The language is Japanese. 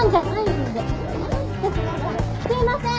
すいません！